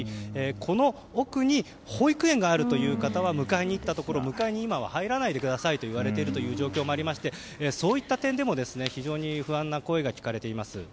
この奥に保育園があるという方は迎えにいったところ迎えに入らないでくださいと言われているという状況もありましてそういった点でも非常に不安な声が聞かれています。